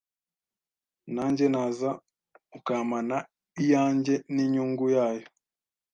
nanjye naza ukampana iyanjye n inyungu yayo